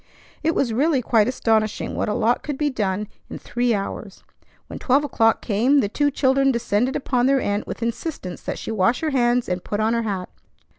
It was really quite astonishing what a lot could be done in three hours. When twelve o'clock came, the two children descended upon their aunt with insistence that she wash her hands and put on her hat.